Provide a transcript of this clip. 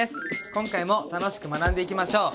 今回も楽しく学んでいきましょう！